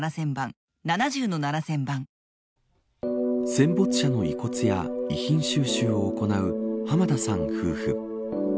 戦没者の遺骨や遺品収集を行う浜田さん夫婦。